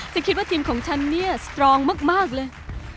คิดว่าทีมของฉันเนี่ยสตรองมากเลย